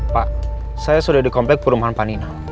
pak saya sudah dikomplek perumahan panina